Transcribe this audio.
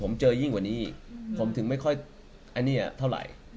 ตอนม๔๑๔ผมเจอยิ่งว่านี้ผมจึงไม่ค่อยเท่าไหร่